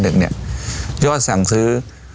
เนี่ยยอดสั่งซื้อ